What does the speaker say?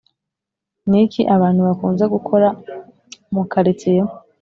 ni iki abantu bakunze gukora mu karitsiye